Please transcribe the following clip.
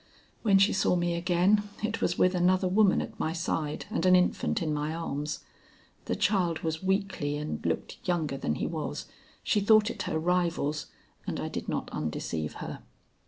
When she saw me again, it was with another woman at my side and an infant in my arms. The child was weakly and looked younger than he was. She thought it her rival's and I did not undeceive her."